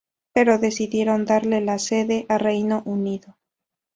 Pero decidieron darle la sede a Reino Unido.